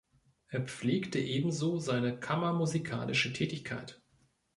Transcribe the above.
Er pflegte ebenso seine kammermusikalische Tätigkeit.